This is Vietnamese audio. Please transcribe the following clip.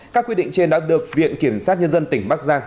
các quy định trên đã được viện kiểm sát nhân dân tỉnh bắc giang